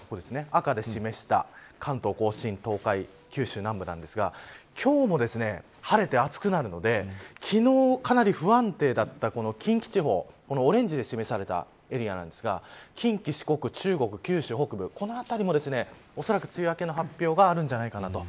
赤で示した関東甲信東海、九州南部なんですが今日も晴れて暑くなるので昨日かなり不安定だった近畿地方オレンジで示されたエリアですが近畿、四国、九州北部この辺りもおそらく梅雨明けの発表があるんじゃないかなと。